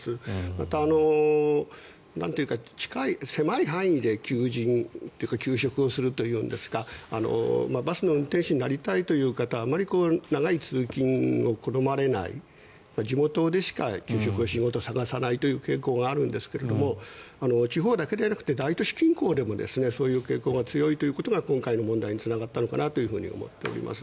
また、狭い範囲で求人というか求職をするというんですかバスの運転手になりたいという方あまり長い通勤を好まれない地元でしか求職仕事を探さないという傾向があるんですが地方だけでなくて大都市近郊でもそういう傾向が強いということが今回の問題につながったのかなと思います。